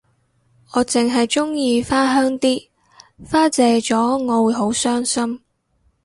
我淨係鍾意花香啲花謝咗我會好傷心